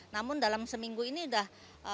namun dalam seminggu ini sudah satu ratus lima puluh